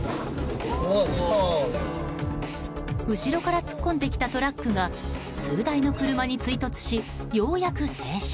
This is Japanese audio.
後ろから突っ込んできたトラックが数台の車に追突しようやく停止。